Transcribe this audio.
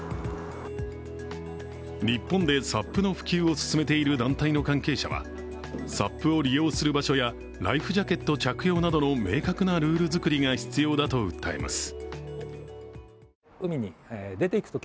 日本でＳＵＳの普及を進めている団体の関係者は、ＳＵＰを利用する場所やライフジャケット着用などの明確なルール作りが必要だと訴えます。